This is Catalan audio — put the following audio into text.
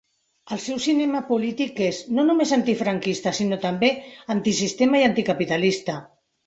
El seu cinema polític és, no només antifranquista, sinó també antisistema i anticapitalista.